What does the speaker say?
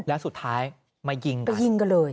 แล้วสุดท้ายมายิงก็ยิงกันเลย